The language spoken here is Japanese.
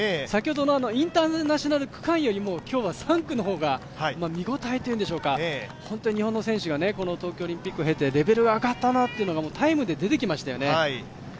先ほどのインターナショナル区間よりも、今日は３区の方が見応えというんでしょうか、日本の選手が東京オリンピックを経てレベルが上がったなというのがタイムで出てきましたよね。